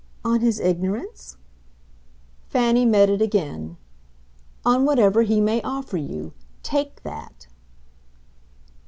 "On his ignorance?" Fanny met it again. "On whatever he may offer you. TAKE that."